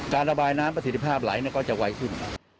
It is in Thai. ระบายน้ำประสิทธิภาพไหลก็จะไวขึ้น